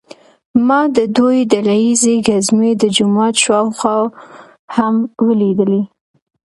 ما د دوی ډله ییزې ګزمې د جومات شاوخوا هم ولیدلې.